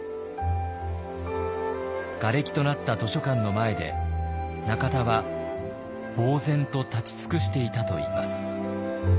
がれきとなった図書館の前で中田はぼう然と立ち尽くしていたといいます。